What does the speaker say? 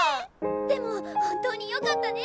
でも本当によかったね。